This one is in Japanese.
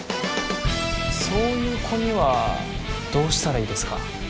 そういう子にはどうしたらいいですか？